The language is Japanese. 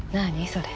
それ。